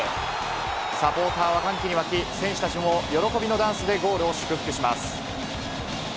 サポーターは歓喜に沸き、選手たちも喜びのダンスでゴールを祝福します。